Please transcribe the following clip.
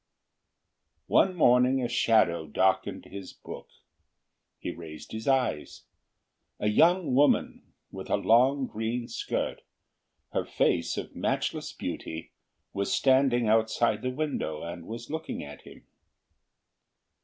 One morning a shadow darkened his book; he raised his eyes: a young woman with a long green skirt, her face of matchless beauty, was standing outside the window and was looking at him.